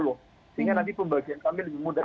sehingga nanti pembagian kami lebih mudah